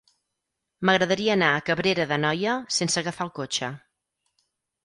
M'agradaria anar a Cabrera d'Anoia sense agafar el cotxe.